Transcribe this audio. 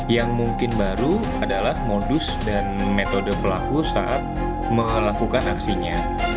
yang mungkin baru adalah modus dan metode pelaku saat melakukan aksinya